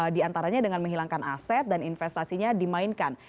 diantaranya dengan menghilangkan aset dan investasinya dimainkan